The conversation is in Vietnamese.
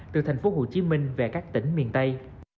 từ thành phố hồ chí minh về các tỉnh miền tây